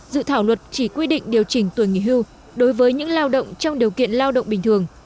dự thảo luật chỉ quy định điều chỉnh tuổi nghỉ hưu đối với những lao động trong điều kiện lao động bình thường